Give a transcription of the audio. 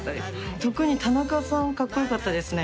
特に田中さんカッコ良かったですね。